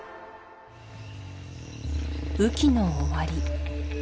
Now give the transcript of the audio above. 雨期の終わり